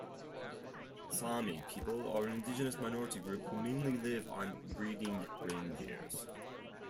Sami people are an indigenous minority group who mainly live on breeding reindeers.